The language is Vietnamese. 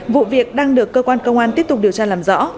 vụ việc đang được cơ quan công an tiếp tục điều tra làm rõ